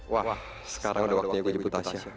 wah sekarang udah waktunya gue jeput tasha